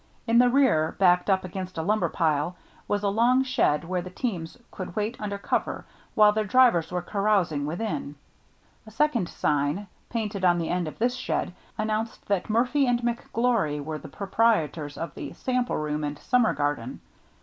In the rear, backed up against a lumber pile, was a long shed where the teams could wait under cover while their drivers were carousing within. A second sign, painted on the end of this shed, announced that Murphy and McGlory were the proprietors of the " sample room and summer garden."